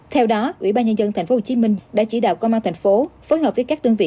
theo đó ủy ban nhân dân tp hcm đã chỉ đạo công an thành phố phối hợp với các đơn vị